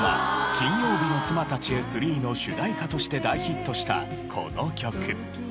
『金曜日の妻たちへⅢ』の主題歌として大ヒットしたこの曲。